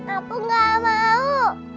aku gak mau